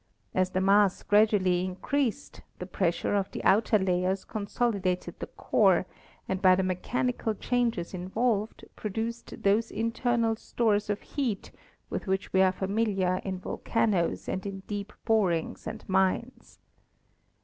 As the mass gradually increased the pressure of the outer layers consolidated the core and by the mechanical changes involved produced those internal stores of heat with which we are familiar in volcanoes and in deep borings and mines.